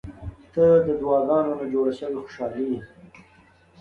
• ته د دعاګانو نه جوړه شوې خوشالي یې.